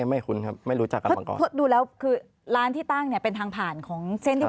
ไม่คุ้นครับไม่รู้จักกันมาก่อน